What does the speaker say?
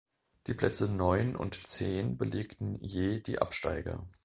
Die Plätze neun und zehn belegten je die Absteiger.